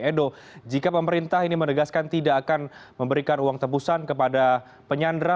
edo jika pemerintah ini menegaskan tidak akan memberikan uang tebusan kepada penyandra